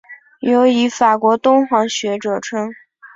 尤以法国敦煌学着称。